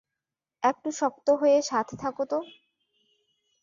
একটু শক্ত হয়ে সাথে থাকো তো!